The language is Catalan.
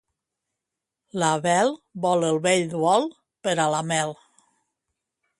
La Bel vol el bell bol per a la mel.